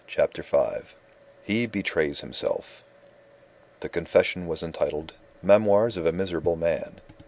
CHAPTER V HE BETRAYS HIMSELF The confession was entitled, "Memoirs of a Miserable Man."